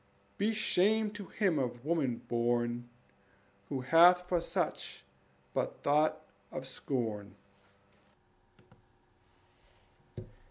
Be shame to him of woman born Who hath for such but thought of scorn.